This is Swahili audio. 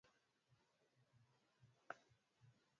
Afanye njia mahali ambapo hapana njia.